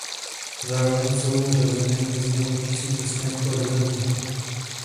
Zároveň jsou řazeny mezi nejlepší současné korvety.